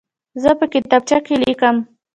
زه په کتابچه کې لیکم.